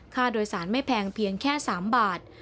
ค่าโดยสารไม่แพงเพียงแค่๓บาท